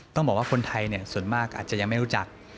ต้องบอกว่าคนไทยส่วนมากอาจจะยังไม่รู้จัก